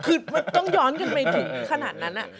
คือมันต้องย้อนกันไปถึงขนาดนั้น